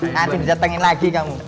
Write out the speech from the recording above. nanti di datengin lagi kamu